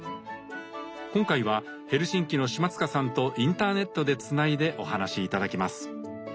今回はヘルシンキの島塚さんとインターネットでつないでお話し頂きます。